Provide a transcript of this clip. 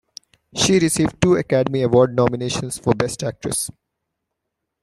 She received two Academy Award nominations for Best Actress.